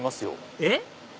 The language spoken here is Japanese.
えっ？